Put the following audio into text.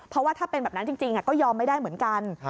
เพราะว่าถ้าเป็นแบบนั้นจริงก็ยอมไม่ได้เหมือนกัน